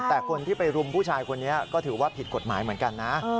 แต่คนที่ไปรุมผู้ชายคนนี้ก็ถือว่าผิดกฎหมายเหมือนกันนะ